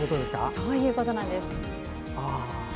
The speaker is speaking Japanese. そういうことです。